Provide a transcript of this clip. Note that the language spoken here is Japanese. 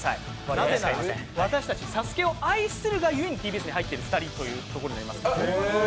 なぜなら私たち、「ＳＡＳＵＫＥ」を愛するがゆえにＴＢＳに入っている２人ということですから。